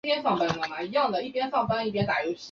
本届内阁还诞生了印尼第一位华人阁员陈宝源。